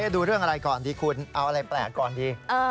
ดูเรื่องอะไรก่อนดีคุณเอาอะไรแปลกก่อนดี